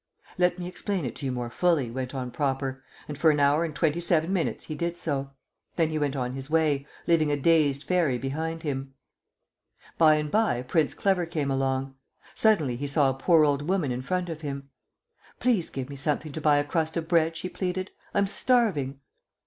"Let me explain it to you more fully," went on Proper, and for an hour and twenty seven minutes he did so. Then he went on his way, leaving a dazed Fairy behind him. By and by Prince Clever came along. Suddenly he saw a poor old woman in front of him. "Please give me something to buy a crust of bread," she pleaded. "I'm starving."